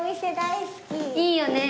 いいよね。